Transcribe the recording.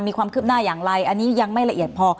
มีความคืบหน้าอย่างไรอันนี้ยังไม่ละเอียดพอ